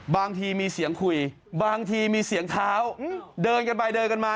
บางทีมีเสียงคุยบางทีมีเสียงเท้าเดินกันไปเดินกันมา